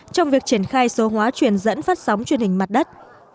trong việc triển khai số hóa truyền dẫn phát sóng truyền hình mặt đất